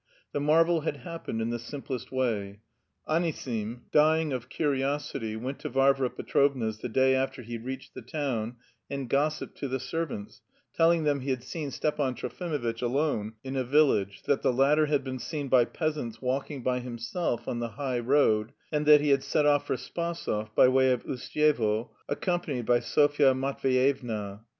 The marvel had happened in the simplest way: Anisim, dying of curiosity, went to Varvara Petrovna's the day after he reached the town and gossiped to the servants, telling them he had met Stepan Trofimovitch alone in a village, that the latter had been seen by peasants walking by himself on the high road, and that he had set off for Spasov by way of Ustyevo accompanied by Sofya Matveyevna.